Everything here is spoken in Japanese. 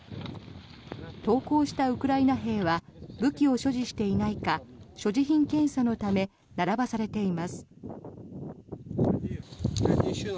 投降したウクライナ兵は武器を所持していないか所持品検査のため並ばされています。